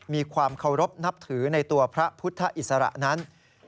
มีความเคารพนับถือในตัวพระพุทธอิสระนั้น